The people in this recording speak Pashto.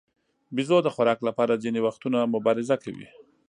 بیزو د خوراک لپاره ځینې وختونه مبارزه کوي.